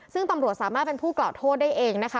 ซึ่งตำรวจสามารถเป็นผู้กล่าวโทษได้เองนะคะ